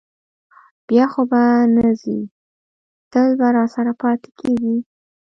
بیا خو به نه ځې، تل به راسره پاتې کېږې؟